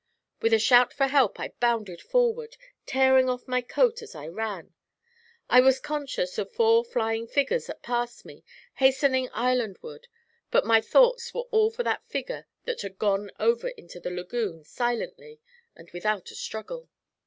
With a shout for help I bounded forward, tearing off my coat as I ran. I was conscious of four flying figures that passed me, hastening islandward, but my thoughts were all for that figure that had gone over into the lagoon silently and without a struggle.